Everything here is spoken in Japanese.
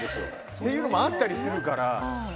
そういうのもあったりするから。